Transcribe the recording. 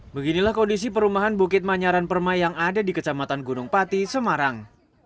beginilah kondisi perumahan bukit manyaran permai yang ada di kecamatan gunung pati semarang